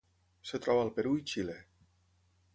Es troba al Perú i Xile.